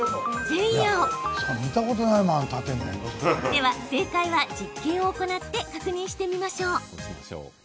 では、正解は実験を行って確認してみましょう。